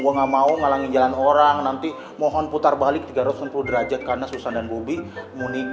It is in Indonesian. gue gak mau ngalangin jalan orang nanti mohon putar balik tiga ratus enam puluh derajat karena susan dan bobi